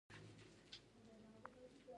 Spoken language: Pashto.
پوځ افسرۍ ښځینه غوښتنلیکونه کم دي.